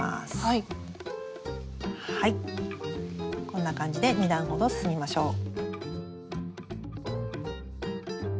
こんな感じで２段ほど進みましょう。